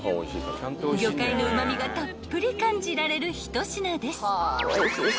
［魚介のうま味がたっぷり感じられる一品です］